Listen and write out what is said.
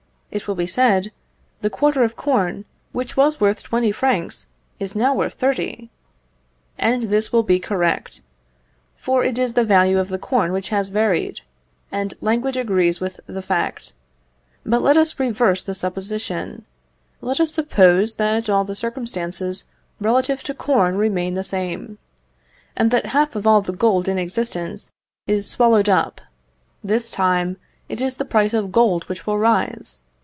It will be said, "The quarter of corn, which was worth twenty francs, is now worth thirty;" and this will be correct, for it is the value of the corn which has varied, and language agrees with the fact. But let us reverse the supposition: let us suppose that all the circumstances relative to corn remain the same, and that half of all the gold in existence is swallowed up; this time it is the price of gold which will rise.